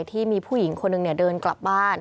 ที่มีผู้หญิงคนหนึ่งเดินกลับบ้าน